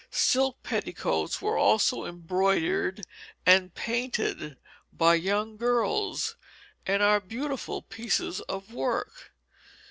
Silk petticoats were also embroidered and painted by young girls, and are beautiful pieces of work.